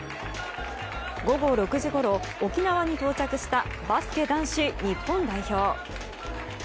午後６時ごろ、沖縄に到着したバスケ男子日本代表。